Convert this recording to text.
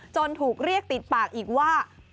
ถูกเรียกติดปากอีกว่า